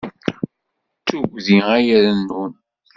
D tuggdi ay irennun.